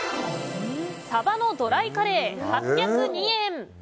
さばのドライカレー、８０２円。